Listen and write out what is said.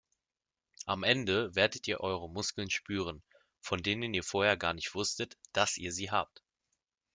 Am Ende werdet ihr Muskeln spüren, von denen ihr vorher gar nicht wusstet, dass ihr sie habt.